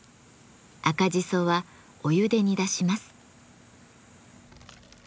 赤じそはお湯で煮出します。